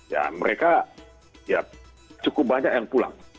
ya mereka ya cukup banyak yang pulang